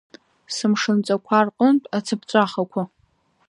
Сымшынҵақәа рҟынтә ацыԥҵәахақәа …